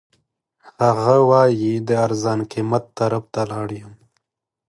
هغه وایي د ارزان قیمت طرف ته لاړ یم.